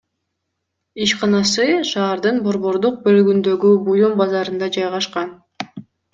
Ишканасы шаардын борбордук бөлүгүндөгү буюм базарында жайгашкан.